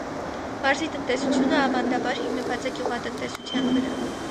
Մարզի տնտեսությունը ավանդաբար հիմնված է գյուղատնտեսության վրա։